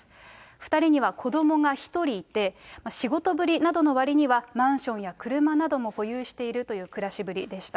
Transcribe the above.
２人には子どもが１人いて、仕事ぶりなどのわりにはマンションや車なども保有しているという暮らしぶりでした。